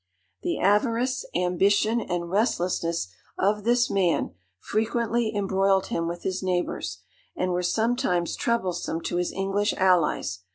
The avarice, ambition, and restlessness of this man, frequently embroiled him with his neighbours, and were sometimes troublesome to his English allies.